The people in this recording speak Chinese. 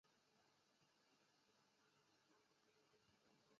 所以该楼也是中国建筑师设计的最早的一批现代化商厦之一。